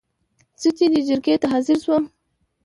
زه چې دې جرګې ته حاضر شوم.